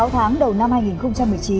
sáu tháng đầu năm hai nghìn một mươi chín